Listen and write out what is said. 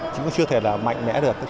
chứ chưa thể là mạnh mẽ được